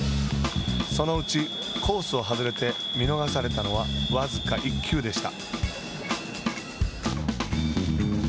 そのうちコースを外れて見逃されたのは、僅か１球でした。